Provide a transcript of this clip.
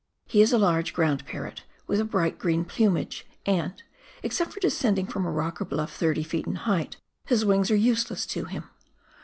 He is a large, ground parrot, with a bright green plumage, and, except for descending from a rock or bluff thirty feet in height, his wings are useless to him.